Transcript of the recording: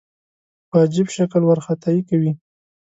په عجیب شکل وارخطايي کوي.